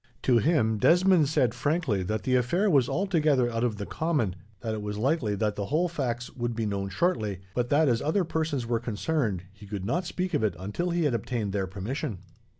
To him, Desmond said frankly that the affair was altogether out of the common, that it was likely that the whole facts would be known shortly, but that, as other persons were concerned, he could not speak of it until he had obtained their permission.